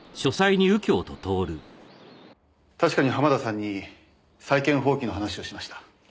確かに濱田さんに債権放棄の話をしました。